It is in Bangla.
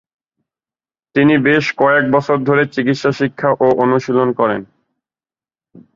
তিনি বেশ কয়েক বছর ধরে চিকিৎসা শিক্ষা ও অনুশীলন করেন।